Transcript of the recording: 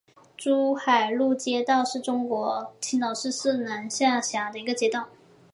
珠海路街道是中国青岛市市南区下辖的一个街道。